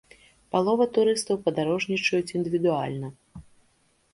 Палова турыстаў падарожнічаюць індывідуальна.